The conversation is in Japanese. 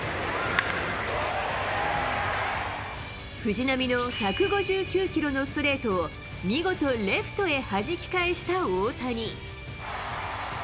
藤浪の１５９キロのストレートを見事レフトへはじき返した大谷。